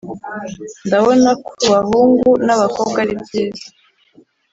Ndabona ku bahungu n’abakobwa ari byiza.